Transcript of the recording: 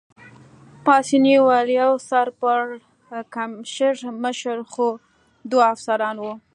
پاسیني وویل: یوه سر پړکمشر مشر خو دوه افسران وو.